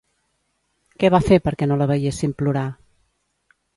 Què va fer, perquè no la veiessin plorar?